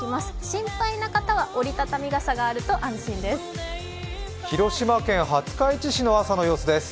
心配な方は折り畳み傘があると安心です。